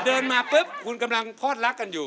เดินมาปุ๊บคุณกำลังพลอดรักกันอยู่